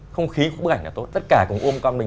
không khí của bức ảnh là tốt tất cả cùng ôm con mình